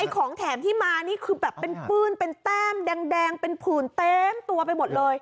ของแถมที่มานี่คือแบบเป็นปื้นเป็นแต้มแดงเป็นผื่นเต็มตัวไปหมดเลย